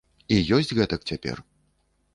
І ёсць гэтак цяпер.